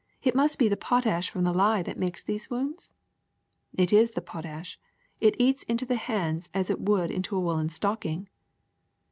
It must be the potash from the lye that makes these wounds ?'' *'It is the potash. It eats into the hands as it would into a woolen stocking."